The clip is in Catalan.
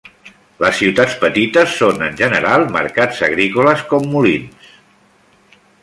Les ciutats, petites, són en general mercats agrícoles, com Moulins.